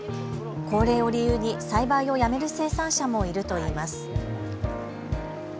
高齢を理由に栽培をやめる生産者もいるといいます。